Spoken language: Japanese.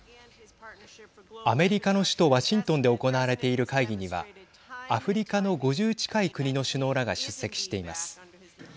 アメリカの首都ワシントンで行われている会議にはアフリカの５０近い国の首脳らが出席しています。